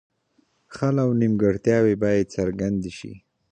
خل او نیمګړتیاوې باید څرګندې شي.